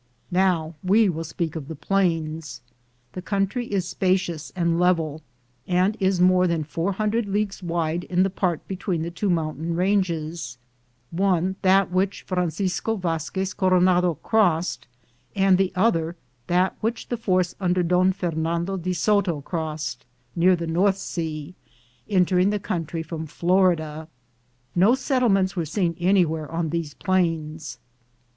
Now we will speak of the plains. The country is spacious and level, and is more than 400 leagues wide in the part between the two mountain ranges — one, that which Francisco Vazquez Coronado crossed, and the other that which the force under Don Fer nando de Soto crossed, near the North sea, entering the country from Florida. No set tlements were seen anywhere on these plains.